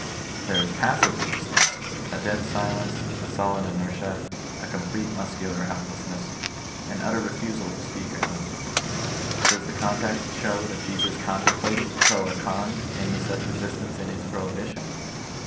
There is passive resistance — ^a dead silence, a sullen inertia, a complete muscular helplessness — an utter refusal to speak or move. Does the context show that Jesus contemplated, pro or con, any such resistance in his prohibition